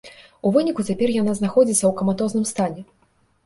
У выніку цяпер яна знаходзіцца ў каматозным стане.